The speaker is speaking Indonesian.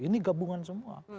ini gabungan semua